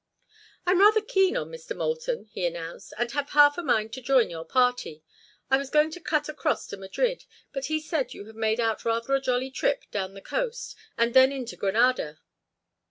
"I'm rather keen on Mr. Moulton," he announced, "and have half a mind to join your party. I was going to cut across to Madrid, but he says you have made out rather a jolly trip down the coast and then in to Granada."